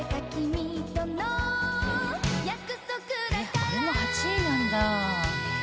えっこれも８位なんだ。